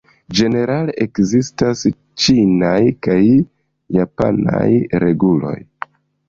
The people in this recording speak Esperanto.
Ĝenerale ekzistas ĉinaj kaj japanaj reguloj.